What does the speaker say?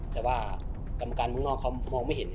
แต่ว่ากรรมการข้างนอกเขามองไม่เห็น